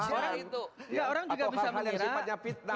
atau hal hal yang sifatnya fitnah